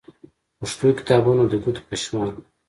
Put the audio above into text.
پښتو کتابونه د ګوتو په شمار وو.